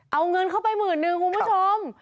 เอาเงินเข้าไปหมื่นนึงคุณผู้ชม